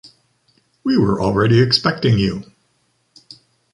We were already expecting you.